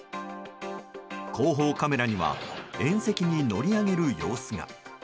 後方カメラには縁石に乗り上げる様子が。